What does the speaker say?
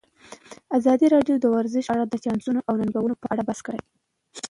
ازادي راډیو د ورزش په اړه د چانسونو او ننګونو په اړه بحث کړی.